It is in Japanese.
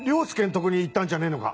とこに行ったんじゃねえのか？